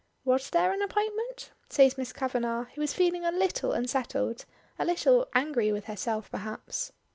"Was there an appointment?" says Miss Kavanagh, who is feeling a little unsettled a little angry with herself perhaps.